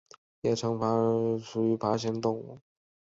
叶城沙蜥为鬣蜥科沙蜥属的爬行动物。